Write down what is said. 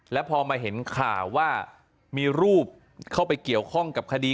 แล้วพอมาเห็นข่าวว่ามีรูปเข้าไปเกี่ยวข้องกับคดี